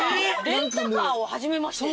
レンタカーを始めまして。